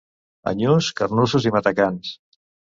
A Nyus, carnussos i matacans.